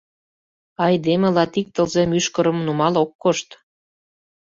Айдеме латик тылзе мӱшкырым нумал ок кошт.